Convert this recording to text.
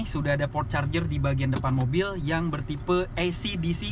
sudah ada port charger di bagian depan mobil yang bertipe acdc